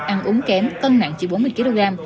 ăn uống kém cân nặng chỉ bốn mươi kg